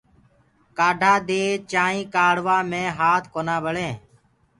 ڪآڍآ دي چآنٚينٚ ڪآڙهوآ مي هآت ڪونآ ٻݪینٚ۔